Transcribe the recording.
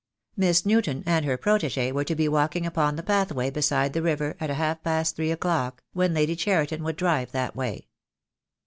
Miss Newton and her protegee were to be walking upon the pathway beside the river at half past three o'clock, when Lady Cheriton would drive that way.